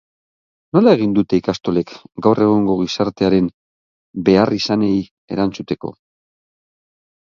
Nola egin dute ikastolek gaur egungo gizartearen beharrizanei erantzuteko?